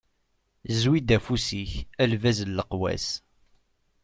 Zwi-d afus-ik a lbaz n leqwas.